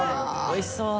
おいしそう。